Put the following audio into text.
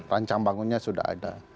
rancang bangunnya sudah ada